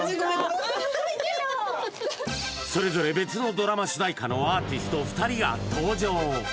それぞれ別のドラマ主題歌のアーティスト２人が登場